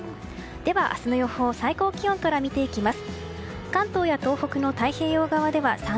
では明日の予報最高気温から見ていきます。